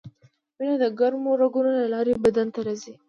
وینه د کومو رګونو له لارې بدن ته ځي